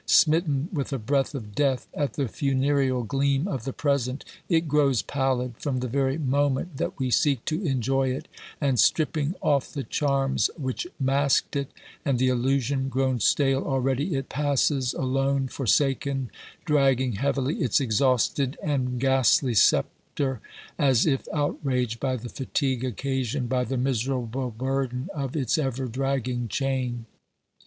Smitten with a breath of death at the funereal gleam of the present, it grows pallid from the very moment that we seek to enjoy it, and stripping off the charms which masked it, and the illusion grown stale already, it passes alone, forsaken, dragging heavily its exhausted and ghastly sceptre as if out raged by the fatigue occasioned by the miserable burden of its ever dragging chain.